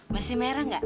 masih merah gak